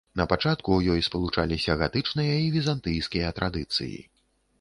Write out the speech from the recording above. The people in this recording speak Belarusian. На пачатку ў ёй спалучаліся гатычныя і візантыйскія традыцыі.